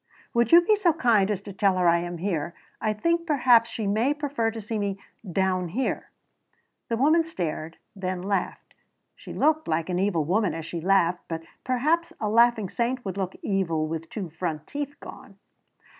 "Would you be so kind as to tell her I am here? I think perhaps she may prefer to see me down here." The woman stared, then laughed. She looked like an evil woman as she laughed, but perhaps a laughing saint would look evil with two front teeth gone.